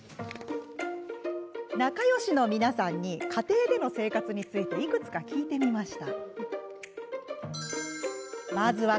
仲よしな皆さんに家庭での生活についていくつか聞いてみました。